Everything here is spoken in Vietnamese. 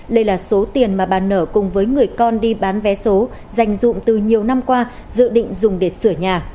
đây là số tiền mà bà nở cùng với người con đi bán vé số dành dụng từ nhiều năm qua dự định dùng để sửa nhà